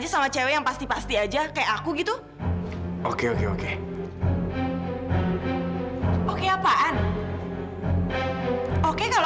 emangnya kamu gak baca di depan toko